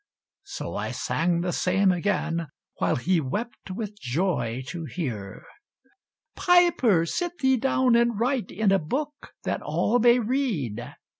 So I sang the same again, While he wept with joy to hear. "Piper, sit thee down and write In a book that all may read."